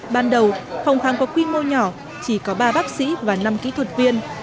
ban đầu phòng kháng có quy mô nhỏ chỉ có ba bác sĩ và năm kỹ thuật viên